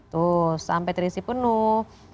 tuh sampai terisi penuh